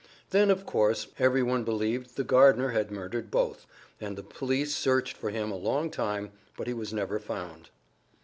Then, of course, every one believed the gardener had murdered both, and the police searched for him a long time, but he was never found.